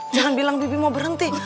jangan bilang bibi mau berhenti